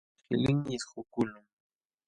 Qilinmi qisququlqun.